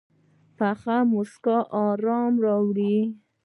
پوخ مسکا آرامي راوړي